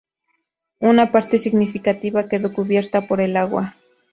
Una parte significativa quedó cubierta por el agua.